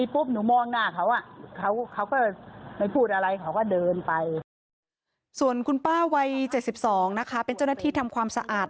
เป็นเจ้าหน้าที่ทำความสะอาด